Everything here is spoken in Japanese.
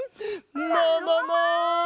ももも！